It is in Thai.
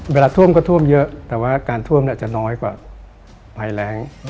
เวลาท่วมก็ท่วมเยอะแต่ว่าการท่วมเนี่ยอาจจะน้อยกว่าภัยแร้ง